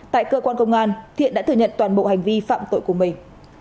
tại cơ quan công an thiện đã thừa nhận toàn bộ hành vi phạm tội của mình